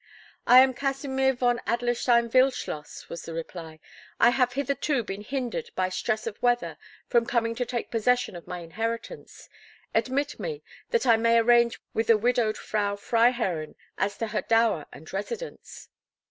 "I am Kasimir von Adlerstein Wildschloss," was the reply. "I have hitherto been hindered by stress of weather from coming to take possession of my inheritance. Admit me, that I may arrange with the widowed Frau Freiherrinn as to her dower and residence."